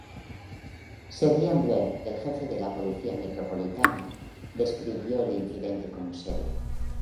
Sir Ian Blair, el jefe de la policía metropolitana, describió el incidente como serio.